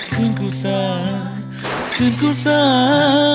คืนกูซ่าคืนกูซ่า